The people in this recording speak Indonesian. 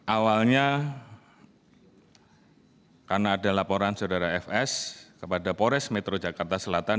awalnya karena ada laporan saudara fs kepada pores metro jakarta selatan